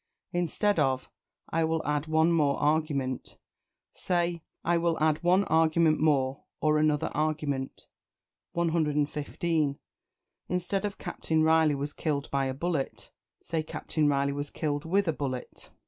Instead of "I will add one more argument," say "I will add one argument more," or "another argument." 115. Instead of "Captain Reilly was killed by a bullet," say "Captain Reilly was killed with a bullet."